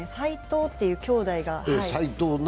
齋藤というきょうだいが。